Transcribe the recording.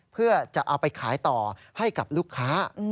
เพื่อจะเอาไปขายต่อให้กับลูกค้า